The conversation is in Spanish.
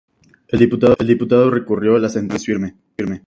El diputado recurrió la sentencia, que no es firme.